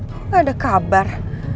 kok gak ada kabar